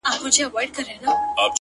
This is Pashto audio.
اوښکي دي پر مځکه درته ناڅي ولي ـ